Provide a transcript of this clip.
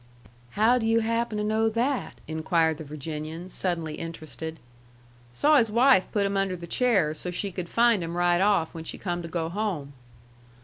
"How do you happen to know that?" inquired the Virginian, suddenly interested. "Saw his wife put 'em under the chair so she could find 'em right off when she come to go home."